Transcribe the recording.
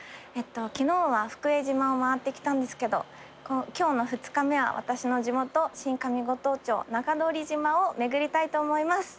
昨日は福江島を回ってきたんですけど今日の２日目は私の地元新上五島町中通島を巡りたいと思います。